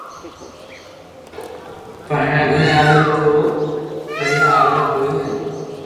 پئيا گھري آوي تو پييئا اوبا ڪوئي رھي